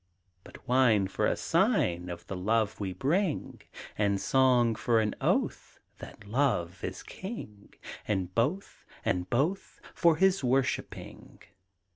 But wine for a sign Of the love we bring! And song for an oath That Love is king! And both, and both For his worshipping!